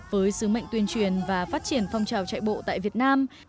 với sứ mệnh tuyên truyền và phát triển phong trào chạy bộ tại việt nam